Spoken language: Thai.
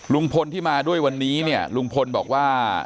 ลุงพลที่มาด้วยวันนี้เนี่ยลุงพลบอกว่า